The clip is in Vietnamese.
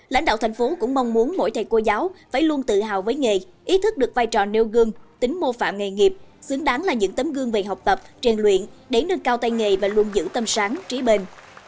lãnh đạo thành phố cũng mong muốn mỗi thầy cô giáo phải luôn tự hào với nghề ý thức được vai trò nêu gương tính mô phạm nghề nghiệp xứng đáng là những tấm gương về học tập trang luyện để nâng cao tay nghề và luôn giữ tâm sáng trí bền